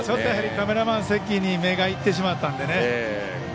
カメラマン席に目がいってしまったのでね。